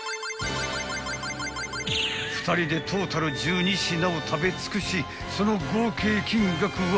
［２人でトータル１２品を食べ尽くしその合計金額は］